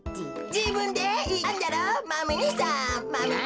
じぶんでいったんだろマメ２さんマメ２さん。